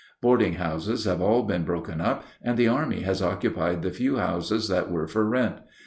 Boarding houses have all been broken up, and the army has occupied the few houses that were for rent.